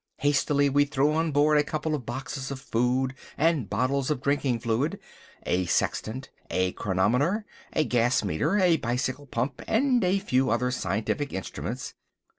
Hastily we threw on board a couple of boxes of food and bottles of drinking fluid, a sextant, a cronometer, a gas meter, a bicycle pump and a few other scientific instruments.